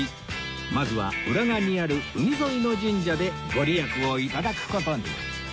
まずは浦賀にある海沿いの神社で御利益を頂く事に